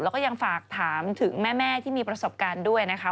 แล้วก็ยังฝากถามถึงแม่ที่มีประสบการณ์ด้วยนะคะ